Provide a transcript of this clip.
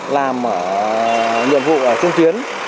làm nhiệm vụ ở trên tuyến